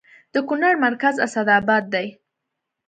د کونړ مرکز اسداباد دی